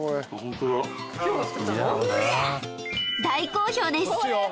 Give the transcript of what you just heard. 大好評です！